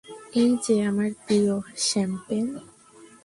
এই যে আমার প্রিয় -- শ্যাম্পেন।